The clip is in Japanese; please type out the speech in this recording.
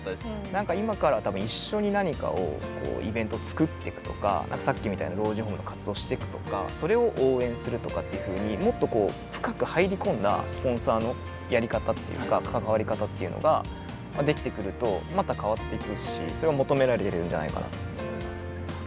何か今から多分一緒に何かをイベントを作ってくとかさっきみたいな老人ホームの活動をしてくとかそれを応援するとかっていうふうにもっと深く入り込んだスポンサーのやり方っていうか関わり方っていうのができてくるとまた変わっていくしそれを求められるんじゃないかなというふうに思いますね。